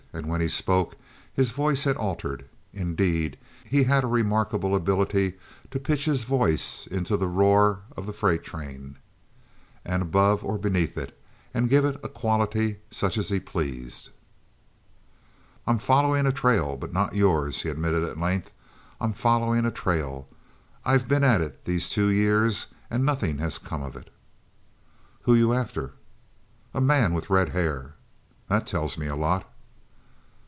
And when he spoke his voice had altered. Indeed, he had remarkable ability to pitch his voice into the roar of the freight train, and above or beneath it, and give it a quality such as he pleased. "I'm following a trail, but not yours," he admitted at length. "I'm following a trail. I've been at it these two years and nothing has come of it." "Who you after?" "A man with red hair." "That tells me a lot."